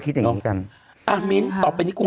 รู้สึกว่ามันบอก